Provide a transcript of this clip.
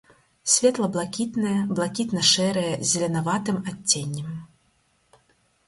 Светла-блакітныя, блакітна-шэрыя з зеленаватым адценнем.